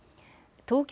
東京